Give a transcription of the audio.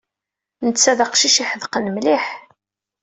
Netta d aqcic iḥedqen mliḥ.